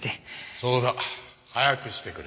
そうだ。早くしてくれ。